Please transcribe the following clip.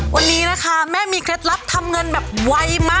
วันนี้นะคะแม่มีเคล็ดลับทำเงินแบบไวมาก